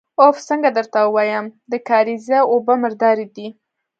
اوف! څنګه درته ووايم، د کارېزه اوبه مردارې دي.